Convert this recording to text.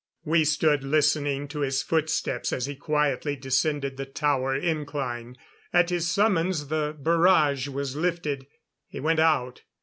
We stood listening to his footsteps as he quietly descended the tower incline. At his summons, the barrage was lifted. He went out.